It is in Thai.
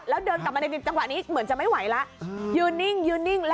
แล้วเดินกลับมาในจังหวะนี้เหมือนจะไม่ไหวละยืนนิ่งยืนนิ่งแล้วหงายหลังตึ้งไปเลยอะ